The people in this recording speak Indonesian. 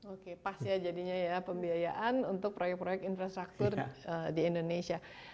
oke pas ya jadinya ya pembiayaan untuk proyek proyek infrastruktur di indonesia